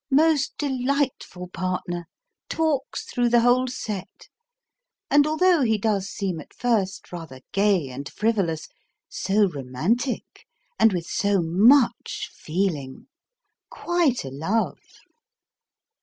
Most delightful partner ! talks through the whole set ! and although he does seem at first rather gay and frivolous, so romantic and with so much feeling ! Quite a love.